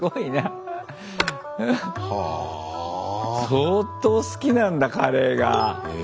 相当好きなんだカレーが。